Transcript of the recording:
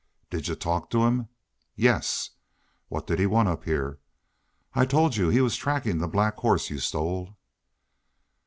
"Did y'u talk to him?" "Yes." "What did he want up heah?" "I told y'u. He was tracking the black horse y'u stole."